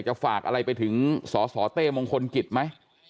ฝากอะไรไปถึงสสเต้มงคลกิจไหม